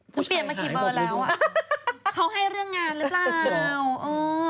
พูดเตรียมมากี่เบอร์แล้วอะเขาให้เรื่องงานหรือเปล่าผู้ชายหายผมไม่รู้